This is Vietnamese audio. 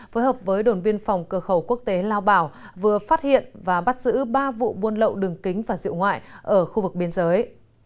phối hợp với đồn biên phòng cửa khẩu quốc tế lao bảo vừa phát hiện và bắt giữ ba vụ buôn lậu đường kính và rượu ngoại ở khu vực biên giới